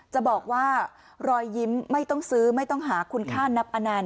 จะบอกว่ารอยยิ้มไม่ต้องซื้อไม่ต้องหาคุณค่านับอนันต